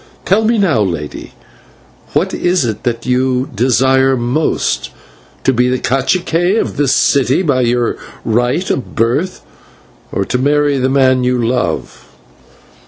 Tell me now, lady, what is it that you desire most to be /cacique/ of this city by your right of birth, or to marry the man you love?"